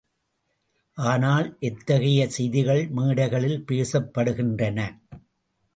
ஆனால் எத்தகைய செய்திகள் மேடைகளில் பேசப்படுகின்றன?